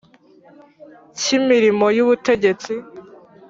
K imirimo y ubutegetsi